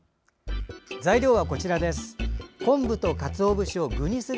材料はこちらです。